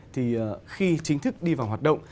thì khi chính thức đi vào hoạt động